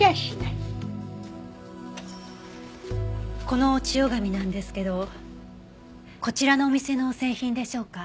この千代紙なんですけどこちらのお店の製品でしょうか？